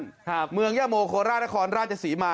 เครียดสู้มาค่ะเมืองย่าโมโค้ลล่ะราชกรรมราชกรรมสีมา